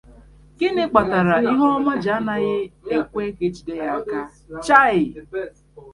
gịnị kpatara ihe ọma ji naghị ekwe ka ejide ya n’aka? Chaị